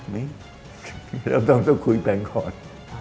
ไม่เราต้องคุยแปลงก่อน